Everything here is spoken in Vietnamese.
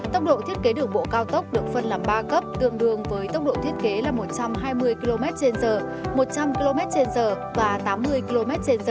tốc độ thiết kế đường bộ cao tốc được phân làm ba cấp tương đương với tốc độ thiết kế là một trăm hai mươi km trên giờ một trăm linh km trên giờ và tám mươi km trên giờ